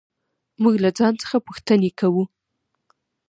موږ له ځان څخه پوښتنې کوو.